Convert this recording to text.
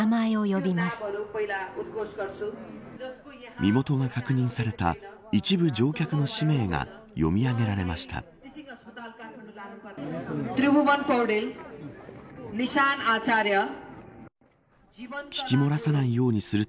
身元が確認された一部乗客の氏名が読み上げられました。